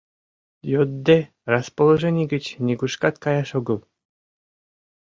Йодде, расположений гыч нигушкат каяш огыл.